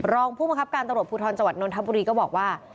รองผู้บังคับการตำรวจภูทรจังหวัดนนทบุรีก็บอกว่า